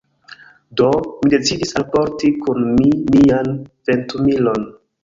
Do, mi decidis alporti kun mi mian ventumilon.